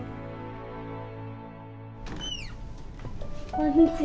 こんにちは。